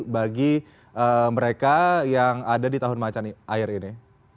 bagi mereka yang ada di tahun macan air ini